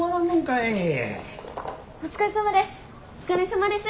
お疲れさまです。